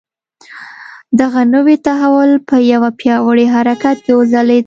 دغه نوی تحول په یوه پیاوړي حرکت کې وځلېد.